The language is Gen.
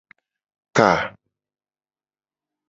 Ka.